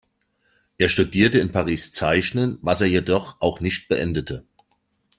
Er studierte in Paris Zeichnen, was er jedoch auch nicht beendete.